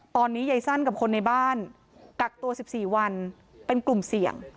ตอนนี้ยายสั้นกับคนในบ้านกักตัว๑๔วันเป็นกลุ่มเสี่ยง